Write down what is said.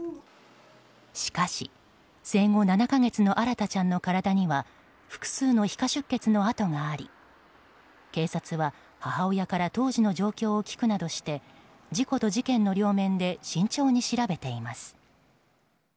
しかし、生後７か月の新大ちゃんの体には複数の皮下出血の痕があり警察は母親から当時の状況を聞くなどして事故と事件の両面で慎重に調べています。